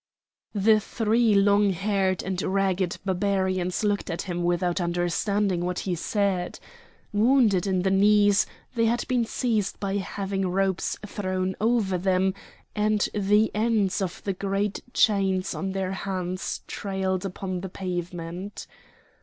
The three long haired and ragged Barbarians looked at him without understanding what he said. Wounded in the knees, they had been seized by having ropes thrown over them, and the ends of the great chains on their hands trailed upon the pavement.